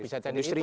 bisa dari industri